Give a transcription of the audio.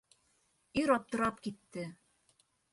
Ир аптырап китте.